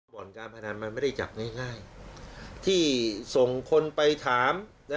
บ่อนการพนันมันไม่ได้จับง่ายที่ส่งคนไปถาม